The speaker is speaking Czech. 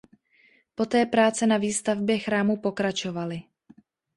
Poté práce na výstavbě chrámu pokračovaly.